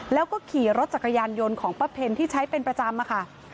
แล้วก็ขี่รถจักรยานยนต์ของป้าเพ็ญที่ใช้เป็นประจำค่ะ